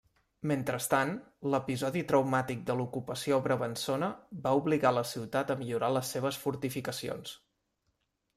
Mentrestant, l'episodi traumàtic de l'ocupació brabançona va obligar la ciutat a millorar les seves fortificacions.